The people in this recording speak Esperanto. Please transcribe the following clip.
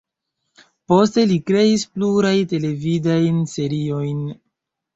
Poste li kreis pluraj televidajn seriojn.